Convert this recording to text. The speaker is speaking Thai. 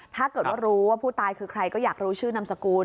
ถ้าเกิดว่ารู้ว่าผู้ตายคือใครก็อยากรู้ชื่อนามสกุล